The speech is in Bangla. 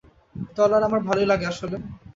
তলোয়ার আমার ভালোই লাগে, আসলে।